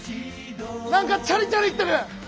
何かチャリチャリいってる。